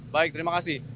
baik terima kasih